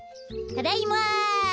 ただいま！